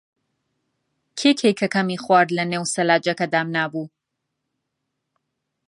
کێ کێکەکەمی خوارد کە لەنێو سەلاجەکە دامنابوو؟